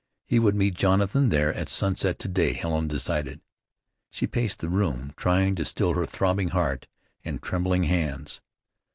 He would meet Jonathan there at sunset to day, Helen decided. She paced the room, trying to still her throbbing heart and trembling hands.